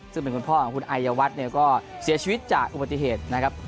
ซึ่งเป็นคุณพ่อของคุณอายวัฒน์เนี่ยก็เสียชีวิตจากอุบัติเหตุนะครับ